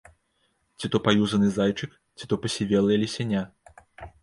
Ці то паюзаны зайчык, ці то пасівелае лісяня.